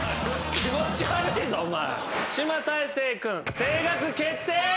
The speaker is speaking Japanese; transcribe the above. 気持ち悪いぞお前！